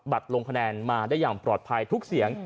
ลงคะแนนมาได้อย่างปลอดภัยทุกเสียง